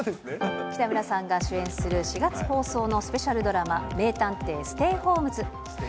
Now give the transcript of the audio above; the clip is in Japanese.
北村さんが主演する４月放送のスペシャルドラマ、名探偵ステイホームズ。